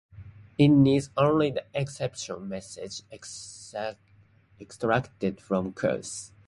It needs only the exception message extracted from "cause".